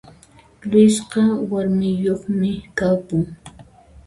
Luisqa warmiyoqmi kapun